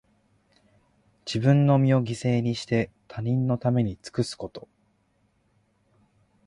自分の身を犠牲にして、他人のために尽くすこと。